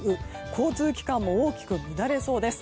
交通機関も大きく乱れそうです。